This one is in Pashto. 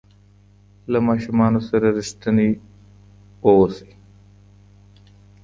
له ماشومانو سره رښتیني اوسئ.